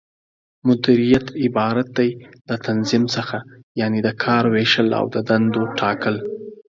مديريت عبارت دى له تنظيم څخه، یعنې د کار وېشل او د دندو ټاکل